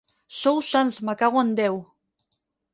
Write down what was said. Sou sants, me cago en Déu!